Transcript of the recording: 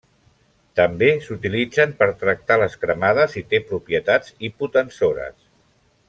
També s'utilitzen per tractar les cremades i té propietats hipotensores.